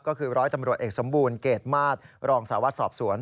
ก็คือร้อยตำรวจเอกสมบูรณเกรดมาตรรองสาววัดสอบสวน